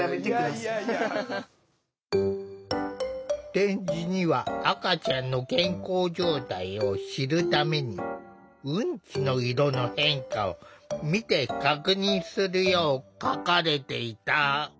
点字には赤ちゃんの健康状態を知るためにうんちの色の変化を見て確認するよう書かれていた。